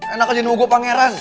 enak aja nama gue pangeran